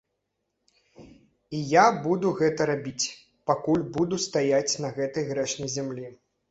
І я буду гэта рабіць, пакуль буду стаяць на гэтай грэшнай зямлі.